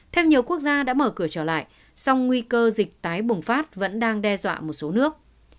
theo nhiều quốc gia đã mở cửa trở lại song nguy cơ dịch tái bùng phát vẫn đang đe dọa một số nước